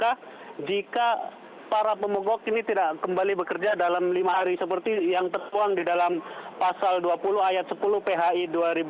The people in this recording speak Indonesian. sehingga jika para pemugok ini tidak kembali bekerja dalam lima hari seperti yang tertuang di dalam pasal dua puluh ayat sepuluh phi dua ribu dua puluh